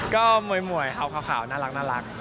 ก็มวยเอาขาวน่ารัก